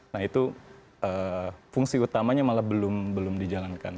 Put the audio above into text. nah itu fungsi utamanya malah belum dijalankan